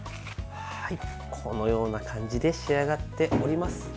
このような感じで仕上がっております。